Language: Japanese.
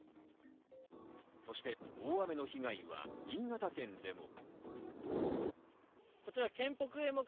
そして大雨の被害は新潟県でも。